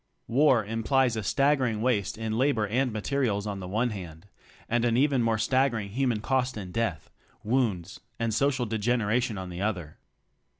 War implies a staggering waste in labor and materials on the one hand, and an even more staggering human cost in death, wounds and social degeneration on the other.